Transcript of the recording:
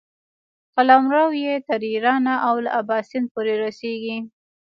قلمرو یې تر ایرانه او له اباسین پورې رسېږي.